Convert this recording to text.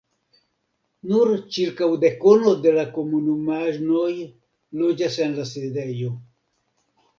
Nur ĉirkaŭ dekono de la komunumanoj loĝas en la sidejo.